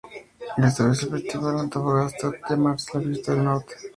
Esta vez el festival de Antofagasta pasa a llamarse "La Fiesta del Norte".